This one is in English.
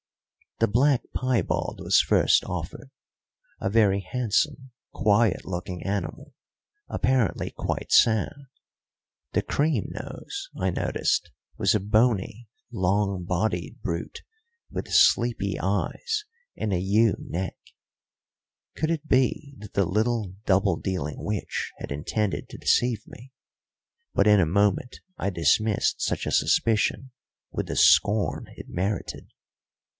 The black piebald was first offered, a very handsome, quiet looking animal, apparently quite sound. The cream nose, I noticed, was a bony, long bodied brute, with sleepy eyes and a ewe neck. Could it be that the little double dealing witch had intended to deceive me? But in a moment I dismissed such a suspicion with the scorn it merited.